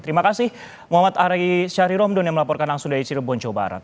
terima kasih muhammad ari syahri romdon yang melaporkan langsung dari cirebon jawa barat